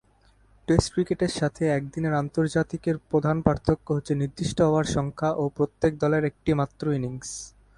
Test ক্রিকেটের সাথে একদিনের আন্তর্জাতিকের প্রধান পার্থক্য হচ্ছে নির্দিষ্ট ওভার সংখ্যা ও প্রত্যেক দলের একটি মাত্র ইনিংস।